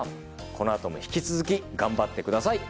このあとも引き続き頑張ってください